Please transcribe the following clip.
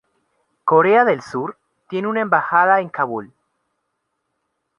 Corea del Sur tiene una embajada en Kabul.